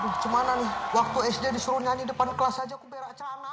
gimana nih waktu sd disuruh nyanyi depan kelas aja aku berak canak